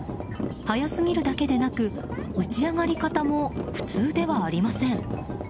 早すぎるだけでなく打ち上がり方も普通ではありません。